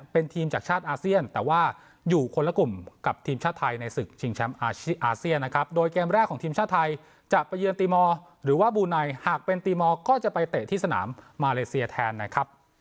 เป็นทีมจากชาติอาเซียนแต่ว่าอยู่คนละกลุ่มกับทีมชาติไทยในสิก